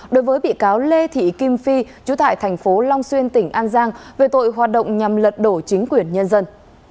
đối với bị cáo lê thị kim phi chú tại thành phố long xuyên tỉnh an giang về tội hoạt động nhằm lật đổ chính quyền nhân dân